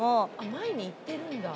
前に行ってるんだ。